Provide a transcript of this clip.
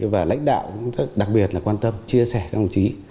và lãnh đạo cũng đặc biệt là quan tâm chia sẻ các đồng chí